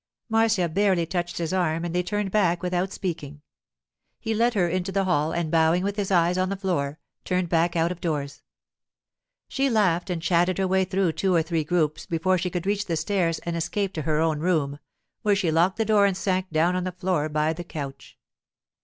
Marcia barely touched his arm, and they turned back without speaking. He led her into the hall, and bowing with his eyes on the floor, turned back out of doors. She laughed and chatted her way through two or three groups before she could reach the stairs and escape to her own room, where she locked the door and sank down on the floor by the couch.